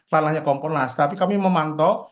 malahnya kompolnas tapi kami memantau